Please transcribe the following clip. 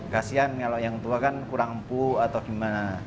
kasian kalau yang tua kan kurang empuk atau gimana